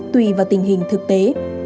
tùy vào tình hình thực tế